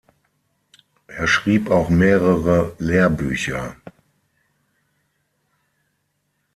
Er schrieb auch mehrere Lehrbücher.